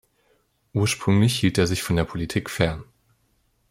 Ursprünglich hielt er sich von der Politik fern.